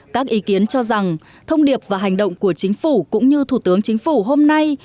các ý kiến cho rằng thông điệp và hành động của chính phủ cũng như thủ tướng chính phủ hôm nay